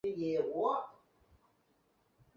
只有中间一段适合高解析通道。